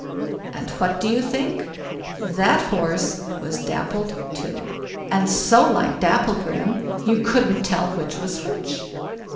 And what do you think? that horse was dappled too, and so like Dapplegrim, you couldn't tell which was which.